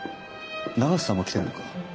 永瀬さんも来てるのか。